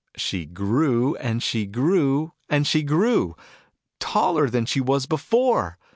She grew, and she grew, and she grew. Taller than she was before